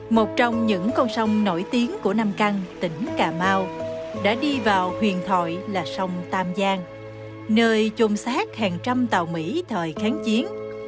một trong những con sông nổi tiếng của nam căng tỉnh cà mau đã đi vào huyền thội là sông tam giang nơi chôn sát hàng trăm tàu mỹ thời kháng chiến